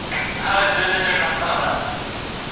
نور هیڅ جادو نشته.